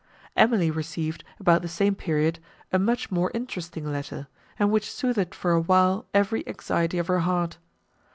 Emily received, about the same period, a much more interesting letter, and which soothed for a while every anxiety of her heart.